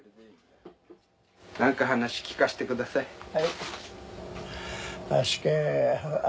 何か話聞かせてください。